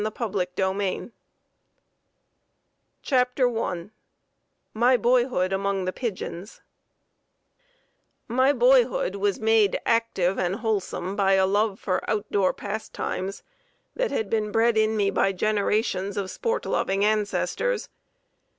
The Passenger Pigeon CHAPTER I My Boyhood Among the Pigeons My boyhood was made active and wholesome by a love for outdoor pastimes that had been bred in me by generations of sport loving ancestors.